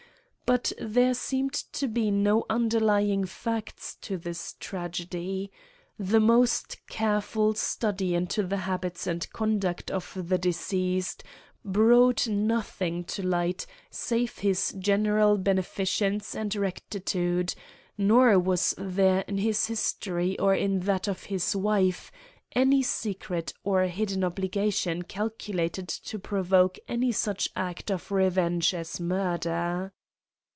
But there seemed to be no underlying facts to this tragedy. The most careful study into the habits and conduct of the deceased brought nothing to light save his general beneficence and rectitude, nor was there in his history or in that of his wife any secret or hidden obligation calculated to provoke any such act of revenge as murder.